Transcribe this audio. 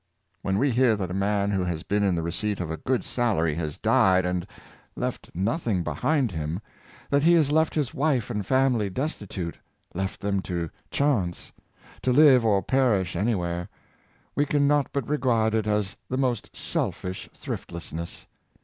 When we hear that a man who has been in the receipt of a good salary, has died and left nothing behind him — that he has left his wife and family destitute — left them to chance — to live or perish anywhere — we can not but regard it as the most selfish thriftlessness.